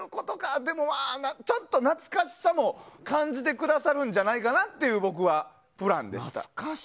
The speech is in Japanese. でも、ちょっと懐かしさも感じてもらえるんじゃないかという僕は、そういうプランでした。